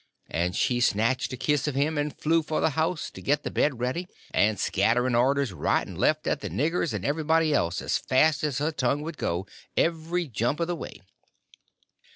and she snatched a kiss of him, and flew for the house to get the bed ready, and scattering orders right and left at the niggers and everybody else, as fast as her tongue could go, every jump of the way.